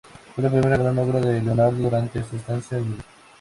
Fue la primera gran obra de Leonardo durante su estancia en Milán.